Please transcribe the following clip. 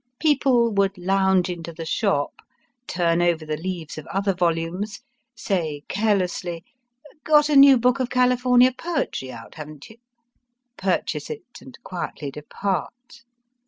People would lounge into the shop, turn over the leaves of other volumes, say carelessly, Got a new book of California poetry out, haven t you? purchase it, and quietly depart.